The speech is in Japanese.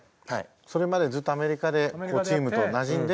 それまでずっとアメリカでチームとなじんで？